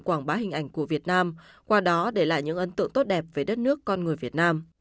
quảng bá hình ảnh của việt nam qua đó để lại những ấn tượng tốt đẹp về đất nước con người việt nam